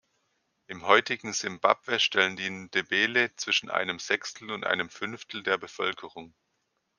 Im heutigen Simbabwe stellen die Ndebele zwischen einem Sechstel und einem Fünftel der Bevölkerung.